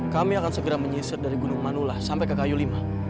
kami akan segera menyisir dari gunung manula sampai ke kayu lima